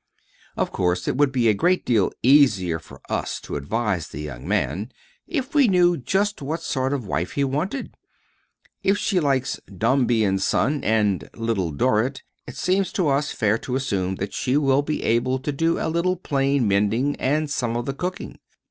Of course, it would be a great deal easier for us to advise the young man if we knew just what sort of a wife he wanted. If she likes Dombey and Son and Little Dorrit it seems to us fair to assume that she will be able to do a little plain mending and some of the cooking.